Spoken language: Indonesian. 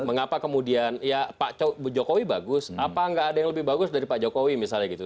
mengapa kemudian ya pak jokowi bagus apa nggak ada yang lebih bagus dari pak jokowi misalnya gitu